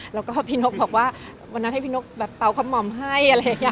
แล้วก็พี่นกบอกว่าวันนั้นให้พี่นกแบบเป่าคำห่อมให้อะไรอย่างนี้